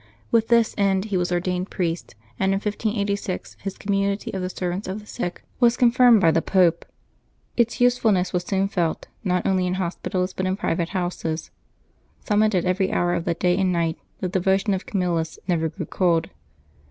With this end he was ordained priest, and in 1586 his community of the Servants of the Sick was confirmed by the Pope. Its use fulness was soon felt, not only in hospitals, but in private houses. Summoned at every hour of the day and night, the devotion of Camillus never grew cold.